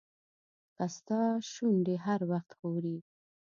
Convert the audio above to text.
که ستا شونډې هر وخت ښوري.